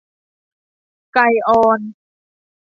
ไก่อ่อน